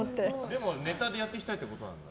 でも、ネタでやっていきたいってことなんだ。